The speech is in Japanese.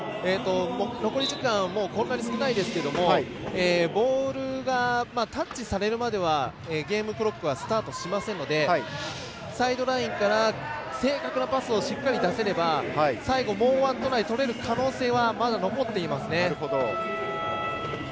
残り時間こんなに少ないですけどボールがタッチされるまではゲームクロックはスタートしませんのでサイドラインから正確なパスをしっかり出せれば最後、もうワントライ取れる可能性は残っていますね。